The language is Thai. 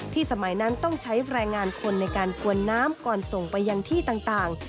สมัยนั้นต้องใช้แรงงานคนในการกวนน้ำก่อนส่งไปยังที่ต่าง